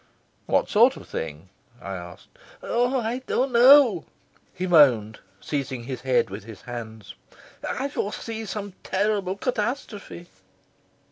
"What sort of thing?" I asked. "Oh, I don't know," he moaned, seizing his head with his hands. "I foresee some terrible catastrophe."